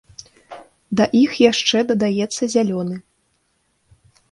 Да іх яшчэ дадаецца зялёны.